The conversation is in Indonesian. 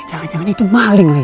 jangan jangan itu maling nih